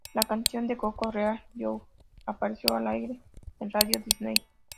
La canción de Coco "Real You", apareció al aire en Radio Disney.